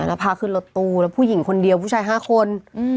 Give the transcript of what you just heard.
แล้วพาขึ้นรถตู้แล้วผู้หญิงคนเดียวผู้ชาย๕คน